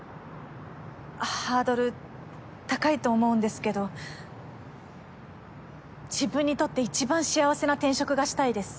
ハードル高いと思うんですけど自分にとって一番幸せな転職がしたいです。